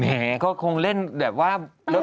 แหมก็คงเล่นแบบว่า